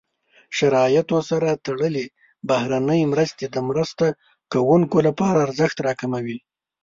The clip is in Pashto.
شرایطو سره تړلې بهرنۍ مرستې د مرسته کوونکو لپاره ارزښت راکموي.